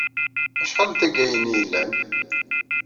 Acḥal n taggayin ay yellan?